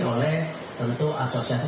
oleh tentu asosiasi